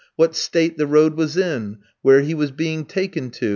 what state the road was in? where he was being taken to?